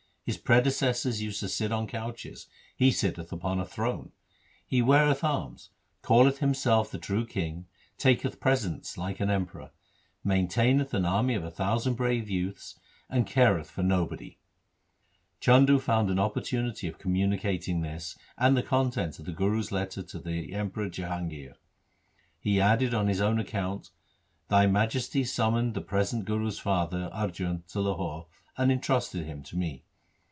His predecessors used to sit on couches ; he sitteth upon a throne. He weareth arms, calleth himself the true king, taketh presents like an emperor, maintaineth an army of a thousand brave youths, and careth for nobody ' Chandu found an opportunity of communicating this and the contents of the Guru's letter to the Emperor Jahangir. He added on his own account, ' Thy majesty summoned the present Guru's father, Arjan, to Lahore and entrusted him to me.